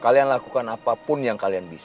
kalian lakukan apapun yang kalian bisa